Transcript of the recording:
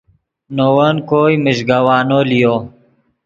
نے ون کوئے میژگوانو لیو